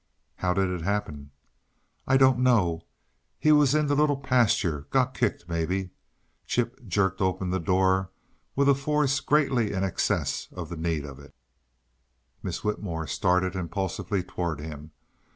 "How did it happen?" "I don't know. He was in the little pasture. Got kicked, maybe." Chip jerked open the door with a force greatly in excess of the need of it. Miss Whitmore started impulsively toward him.